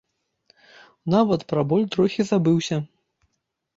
Нават пра боль трохі забыўся.